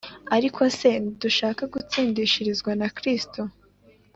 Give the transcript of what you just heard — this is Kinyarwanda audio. Ariko se ntidushaka gutsindishirizwa na Kristo